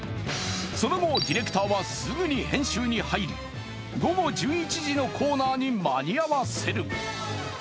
その後、ディレクターはすぐに編集に入り、午後１１時のコーナーに間に合わせる。